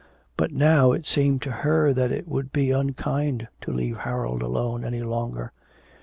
But now it seemed to her that it would be unkind to leave Harold alone any longer.